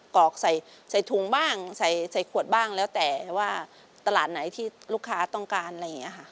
กรอกใส่ถุงบ้างใส่ขวดบ้างแล้วแต่ว่าตลาดไหนที่ลูกค้าต้องการอะไรอย่างนี้ค่ะ